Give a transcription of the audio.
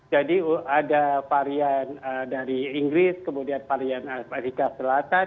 jadi ada varian dari inggris kemudian varian amerika selatan